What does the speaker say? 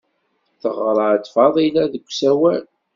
Teɣra-d Faḍila deg usawal.